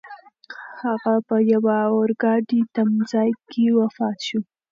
هغه په یوه اورګاډي تمځای کې وفات شو.